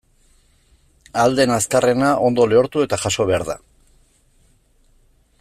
Ahal den azkarrena ondo lehortu eta jaso behar da.